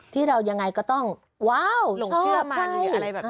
ที่เรายังไงก็ต้องว้าวชอบใช่หลงเชื่อมันอะไรแบบนี้